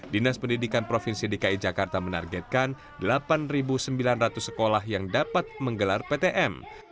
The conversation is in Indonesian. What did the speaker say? dinas pendidikan provinsi dki jakarta menargetkan delapan sembilan ratus sekolah yang dapat menggelar ptm